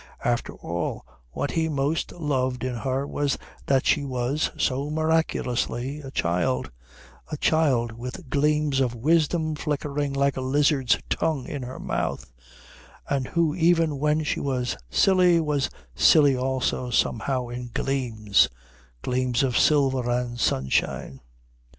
After all, what he most loved in her was that she was, so miraculously, a child; a child with gleams of wisdom flickering like a lizard's tongue in her mouth, and who even when she was silly was silly also somehow in gleams gleams of silver and sunshine.